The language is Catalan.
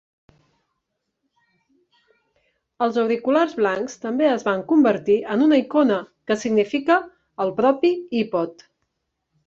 Els auriculars blancs també es van convertir en una icona que significa el propi iPod.